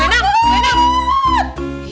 saya takut takut